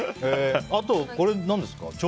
あと、これは何ですか？